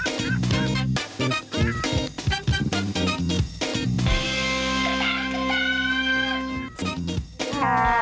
รักกับตัวเหล่านี้